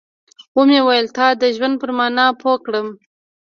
ومې ويل تا د ژوند پر مانا پوه کړم.